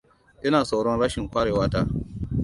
Ina tsoron rashin kwarewa ta.